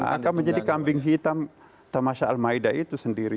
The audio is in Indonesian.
akan menjadi kambing hitam tamasha al maida itu sendiri